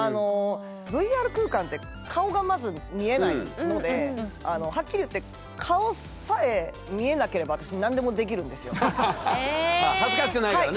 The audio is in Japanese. ＶＲ空間って顔がまず見えないのではっきり言って恥ずかしくないからね。